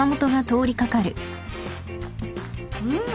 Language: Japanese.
うん。